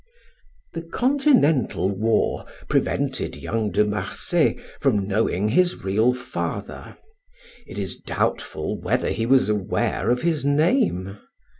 The continental war prevented young De Marsay from knowing his real father. It is doubtful whether he was aware of his name.